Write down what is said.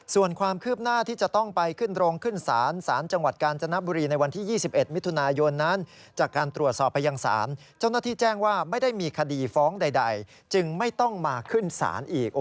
ส่วนความคืบหน้าที่จะต้องไปขึ้นโรงขึ้นศาลศาลจังหวัดกาญจนบุรีในวันที่๒๑มิถุนายนนั้นจากการตรวจสอบไปยังศาลเจ้าหน้าที่แจ้งว่าไม่ได้มีคดีฟ้องใดจึงไม่ต้องมาขึ้นศาลอีก